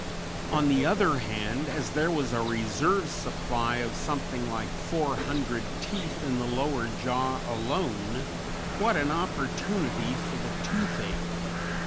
On the other hand, as there was a reserve supply of something like 400 teeth in the lower jaw alone, what an opportunity for the toothache!